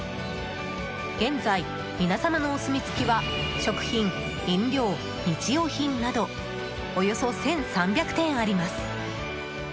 現在、みなさまのお墨付きは食品、飲料、日用品などおよそ１３００点あります。